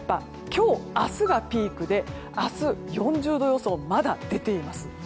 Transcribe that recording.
今日、明日がピークで明日、４０度予想まだ出ています。